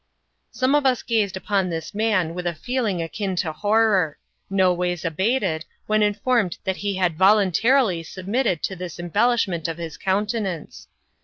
Some of us gazed upon this man with a feeling akin to horror, no ways abated when informed that he had voluntarily sub mitted to this embellishment of his countenance.